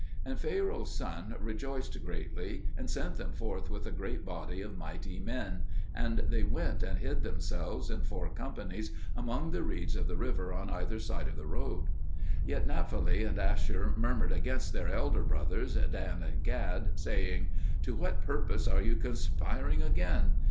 And Pharaoh's son rejoiced greatly, and sent them forth with a great body of mighty men, and they went and hid themselves in four companies among the reeds of the river on either side of the road. Yet Naphtali and Asher murmured against their elder brothers Dan and Gad, saying, "To what purpose are you conspiring again?